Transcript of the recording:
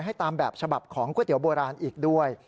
ให้ตามแบบฉบับของก๋วยเตี๋ยโบราณอีกด้วย